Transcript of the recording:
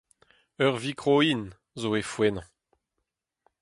Ur vikrohin zo e Fouenant.